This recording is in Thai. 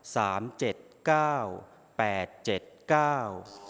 เจ็ดเก้าแปดเจ็ดเก้า